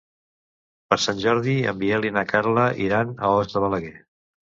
Per Sant Jordi en Biel i na Carla iran a Os de Balaguer.